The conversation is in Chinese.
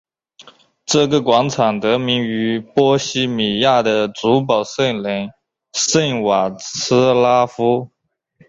这个广场得名于波希米亚的主保圣人圣瓦茨拉夫。